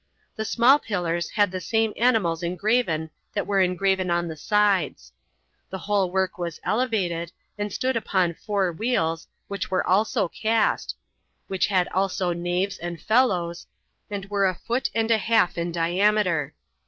The small pillars had the same animals engraven that were engraven on the sides. The whole work was elevated, and stood upon four wheels, which were also cast, which had also naves and felloes, and were a foot and a half in diameter.